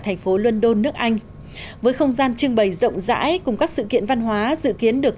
thành phố london nước anh với không gian trưng bày rộng rãi cùng các sự kiện văn hóa dự kiến được